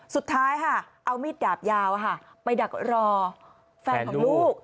สุดท้ายค่ะเอามีดดาบยาวไปดักรอแฟนของลูก